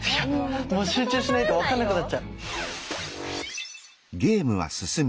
もう集中しないと分かんなくなっちゃう。